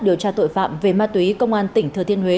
điều tra tội phạm về ma túy công an tỉnh thừa thiên huế